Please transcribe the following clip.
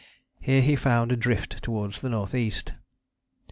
Here he found a drift towards the north east.